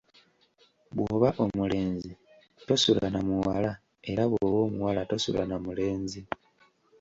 Bw'oba omulenzi tosula namuwala era bw'oba omuwala tosula namulenzi.